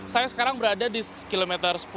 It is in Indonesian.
saya sekarang berada di kilometer sepuluh